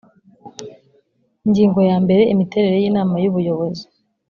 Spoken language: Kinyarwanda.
ingingo ya mbere imiterere y inama y ubuyobozi